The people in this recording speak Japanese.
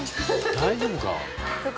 大丈夫か？